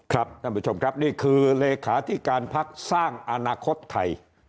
ท่านผู้ชมครับนี่คือเลขาธิการพักสร้างอนาคตไทย